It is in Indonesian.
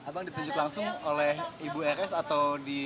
abang ditunjuk langsung oleh ibu r s atau di